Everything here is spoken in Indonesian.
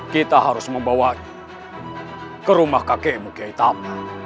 kita harus membawanya ke rumah kakek mugia hitam